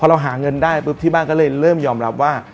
เราหาเงินได้ปุ๊บที่บ้านก็เลยเริ่มยอมรับว่า